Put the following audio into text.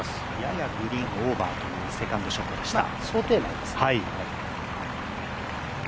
ややグリーンオーバーというセカンドショットでした。